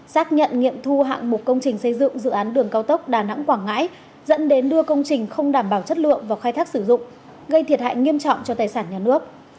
xác nhận nghiệm thu hạng mục công trình xây dựng dự án đường cao tốc đà nẵng quảng ngãi dẫn đến đưa công trình không đảm bảo chất lượng vào khai thác sử dụng gây thiệt hại nghiêm trọng cho tài sản nhà nước